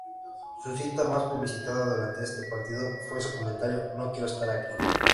Su cita más publicitada durante este partido fue su comentario: "No quiero estar aquí".